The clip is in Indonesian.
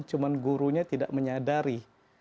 cuma gurunya tidak menyadari